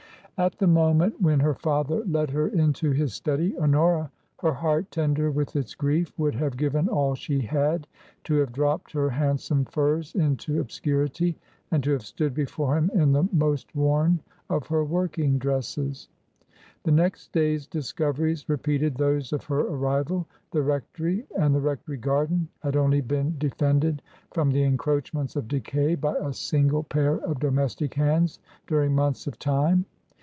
At the moment when her father led her into his study, Honora, her heart tender with its grief, would have given all she had to have dropped her handsome furs into obscurity and to have stood before him in the most worn of her working dresses. The next day's discoveries repeated those of her arrival. The rectory and the rectory garden had only been defended from the encroachments of decay by a single pair of domestic hands during months of time.